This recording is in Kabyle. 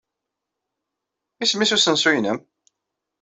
Isem-nnes usensu-nnem?